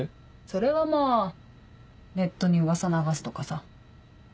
それはまぁネットにウワサ流すとかさ。